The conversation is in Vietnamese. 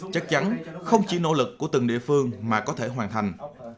chắc chắn không chỉ nỗ lực của từng địa phương mà có thể hoàn thành